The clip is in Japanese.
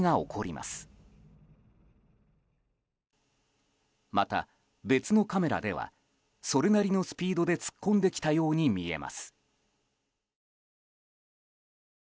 また、別のカメラではそれなりのスピードで突っ込んできたように見えます。